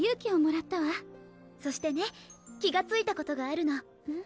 そしてね気がついたことがあるの。え？